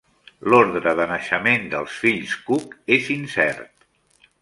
L'ordre de naixement dels fills Cooke és incert.